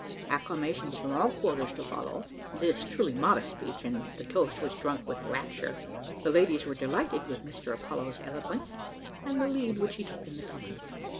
'" Acclamations from all quarters follow this truly modest speech, and the toast was drunk with rapture; the ladies were delighted with Mr Apollo's eloquence, and the lead which he took in the company.